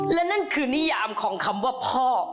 และนั่นคือนิยามของคำว่าพ่อ